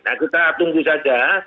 nah kita tunggu saja